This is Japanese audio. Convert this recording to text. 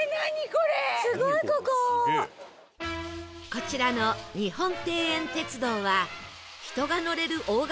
こちらの日本庭園鉄道は人が乗れる大型